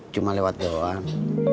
cuma lewat doang